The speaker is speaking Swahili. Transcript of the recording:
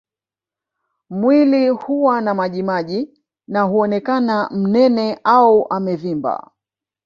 Mwili huwa na majimaji na huonekana mnene au amevimba